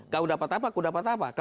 gak dapat apa aku dapat apa